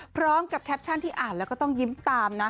แคปชั่นที่อ่านแล้วก็ต้องยิ้มตามนะ